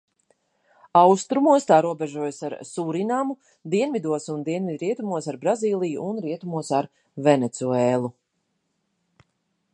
Austrumos tā robežojas ar Surinamu, dienvidos un dienvidrietumos ar Brazīliju un rietumos ar Venecuēlu.